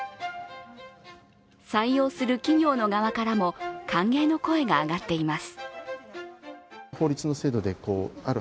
採用する企業の側からも歓迎の声が上がっています。